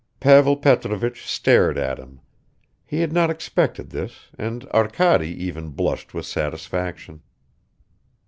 Pavel Petrovich stared at him. He had not expected this, and Arkady even blushed with satisfaction.